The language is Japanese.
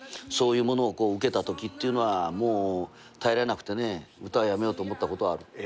そういうものを受けたときってもう耐えれなくてね歌をやめようと思ったことはある。